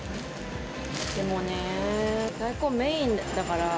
でもねー、大根メインだから。